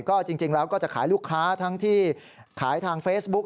ก็จริงแล้วก็จะขายลูกค้าทั้งที่ขายทางเฟซบุ๊ก